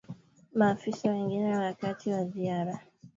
maafisa wengine wakati wa ziara yake mjini kampala